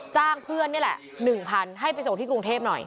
จ้างเพื่อนนี่แหละ๑๐๐๐ให้ไปส่งที่กรุงเทพหน่อย